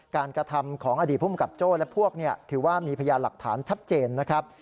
กระทำของอดีตภูมิกับโจ้และพวกถือว่ามีพยานหลักฐานชัดเจนนะครับ